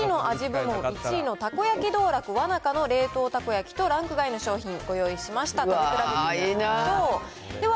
部門１位のたこ焼道楽わなかの冷凍たこ焼きと、ランク外の商品ご用意しました。